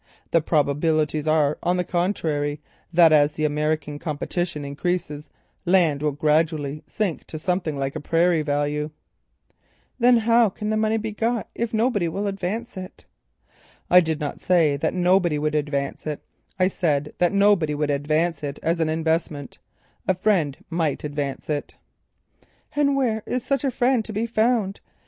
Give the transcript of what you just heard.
The probabilities are, on the contrary, that as the American competition increases, land will gradually sink to something like a prairie value." "Then how can money be got if nobody will advance it?" "I did not say that nobody will advance it; I said that nobody would advance it as an investment—a friend might advance it." "And where is such a friend to be found?